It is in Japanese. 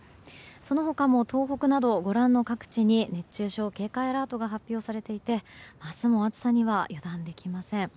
その他も東北などご覧の各地に熱中症警戒アラートが発表されていて明日も暑さには油断できません。